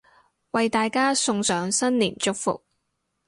為大家送上新年祝福